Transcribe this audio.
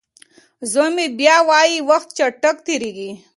زوی مې بیا وايي وخت چټک تېریږي.